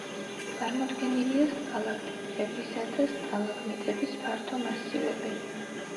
წარმოდგენილია სტალაქტიტებისა და სტალაგმიტების ფართო მასივები.